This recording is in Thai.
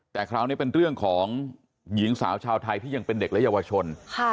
แต่คราวนี้เป็นเรื่องของหญิงสาวชาวไทยที่ยังเป็นเด็กและเยาวชน